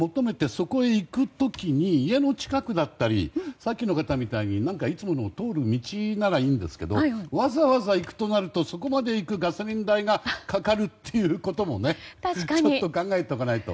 そこへ行く時に家の近くだったりさっきの方みたいにいつも通る道ならいいんですけどわざわざ行くとなるとそこまで行くガソリン代がかかるっていうこともちょっと考えておかないと。